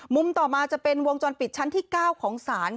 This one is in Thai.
มุมต่อมาจะเป็นวงจรปิดชั้นที่๙ของสารค่ะ